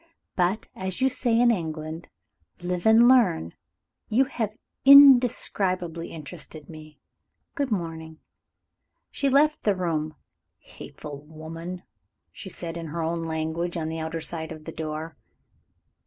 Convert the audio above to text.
But, as you say in England, 'Live and learn.' You have indescribably interested me. Good morning." She left the room. "Hateful woman!" she said in her own language, on the outer side of the door.